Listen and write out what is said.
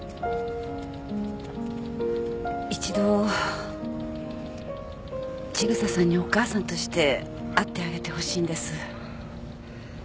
一度千草さんにお母さんとして会ってあげてほしいんです。